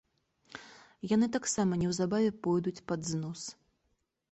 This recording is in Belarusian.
Яны таксама неўзабаве пойдуць пад знос.